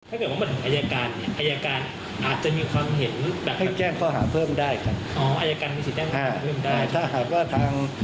อัยการอาจจะมีความเห็นแจ้งข้อหาเพิ่มได้ถ้าหากว่าทาง